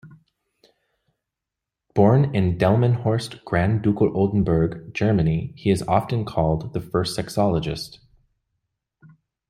Born in Delmenhorst, Grand Ducal Oldenburg, Germany, he is often called the first sexologist.